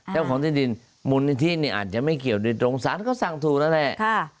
เจ้าของที่ดินมูลนิธินี่อาจจะไม่เกี่ยวโดยตรงสารก็สั่งถูกแล้วแหละ